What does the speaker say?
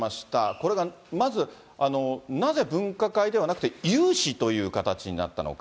これがまず、なぜ分科会ではなく、有志という形になったのか。